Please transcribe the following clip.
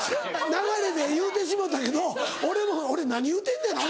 流れで言うてしもうたけど俺も「俺何言うてんねんな」